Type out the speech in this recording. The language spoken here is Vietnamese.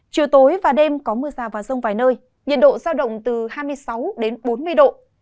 chiều tối và đêm có mưa rào và rông vài nơi nhiệt độ giao động từ hai mươi sáu đến bốn mươi độ